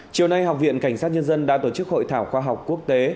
chiều nay học viện cảnh sát nhân dân đã tổ chức hội thảo khoa học quốc tế